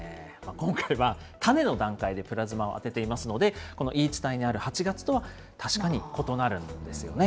今回は種の段階でプラズマを当てていますので、この言い伝えにある８月とは確かに異なるんですよね。